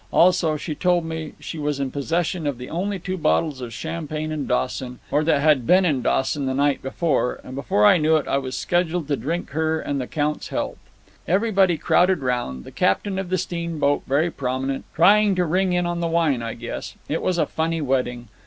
Also, she told me she was in possession of the only two bottles of champagne in Dawson—or that had been in Dawson the night before; and before I knew it I was scheduled to drink her and the Count's health. Everybody crowded round, the captain of the steamboat, very prominent, trying to ring in on the wine, I guess. It was a funny wedding.